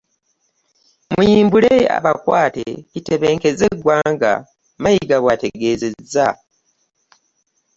Muyimbule abakwate kitebenkeze eggwanga, Mayiga bw'ategeezezza